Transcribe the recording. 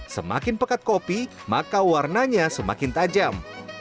semakin pekat kopi maka warnanya semakin tajam